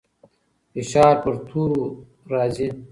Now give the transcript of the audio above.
فشار پر تورو راځي.